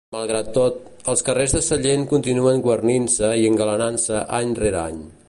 Malgrat tot, els carrers de Sallent continuen guarnint-se i engalanant-se any rere any.